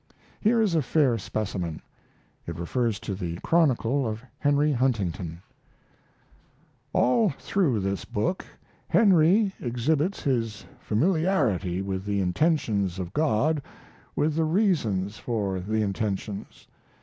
Here is a fair specimen. It refers to the chronicle of Henry Huntington: All through this book Henry exhibits his familiarity with the intentions of God and with the reasons for the intentions.